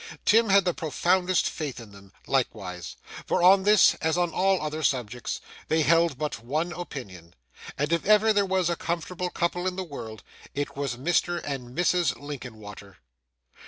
Tim had the profoundest faith in them, likewise; for on this, as on all other subjects, they held but one opinion; and if ever there were a 'comfortable couple' in the world, it was Mr. and Mrs. Linkinwater.